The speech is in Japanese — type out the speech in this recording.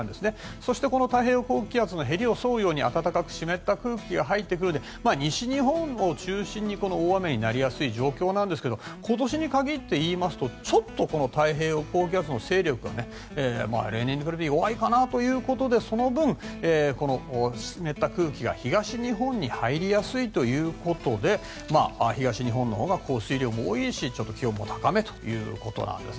そして、太平洋高気圧のへりを沿うように暖かく湿った空気が入ってくるので西日本を中心に大雨になりやすい状況なんですけど今年に限って言いますとちょっと太平洋高気圧の勢力が例年に比べて弱いかなということでその分、湿った空気が東日本に入りやすいということで東日本のほうが降水量も多いし気温も高めということです。